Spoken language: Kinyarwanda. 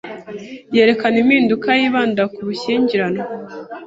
yerekana impinduka yibanda kubushyingiranwa